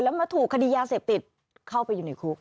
แล้วมาถูกคดียาเสพติดเข้าไปอยู่ในคุก